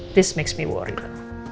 ini membuatku khawatir